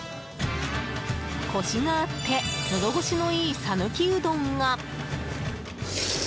コシがあってのど越しのいい讃岐うどんが。